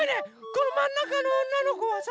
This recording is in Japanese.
このまんなかのおんなのこはさ。